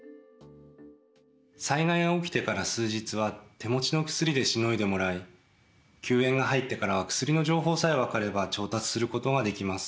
災害が起きてから数日は手持ちの薬でしのいでもらい救援が入ってからは薬の情報さえ分かれば調達することができます。